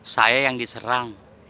saya yang diserang